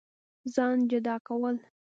ځان جدا كول